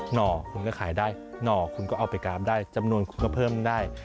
ห่อคุณก็ขายได้หน่อคุณก็เอาไปกามได้จำนวนคุณก็เพิ่มได้